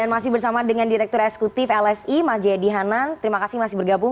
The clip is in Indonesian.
dan masih bersama dengan direktur eksekutif lsi mas jayadi hanan terima kasih masih bergabung